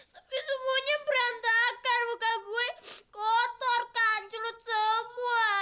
tapi semuanya berantakan muka gue kotor kanjrut semua